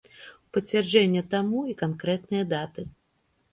У пацвярджэнне таму і канкрэтныя даты.